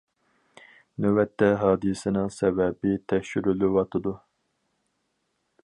نۆۋەتتە ھادىسىنىڭ سەۋەبى تەكشۈرۈلۈۋاتىدۇ.